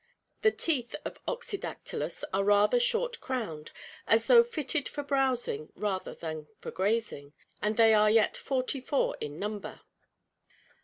The teeth of Oxydaetylus are rather short crowned, as though fitted for browsing rather than for grazing, and they are yet forty four in number.